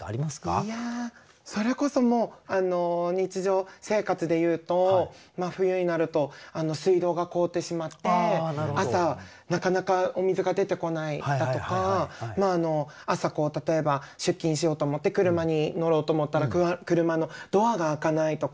いやそれこそもう日常生活でいうと冬になると水道が凍ってしまって朝なかなかお水が出てこないだとか朝例えば出勤しようと思って車に乗ろうと思ったら車のドアが開かないとか。